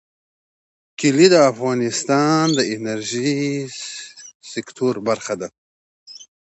کلي د افغانستان د انرژۍ سکتور برخه ده.